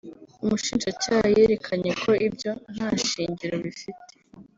umushinjacyaha yerekanye ko ibyo nta shingiro bifite